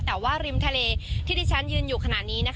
แต่ว่าริมทะเลที่ที่ฉันยืนอยู่ขนาดนี้